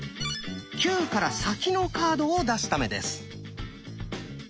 「９」から先のカードを出すためです。